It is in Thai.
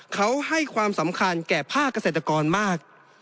เขาให้ความสำคัญแก่ผ้ากเศรษฐกรมาก